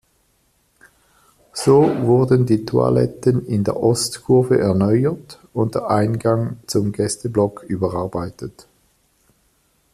So wurden die Toiletten in der Ostkurve erneuert und der Eingang zum Gästeblock überarbeitet.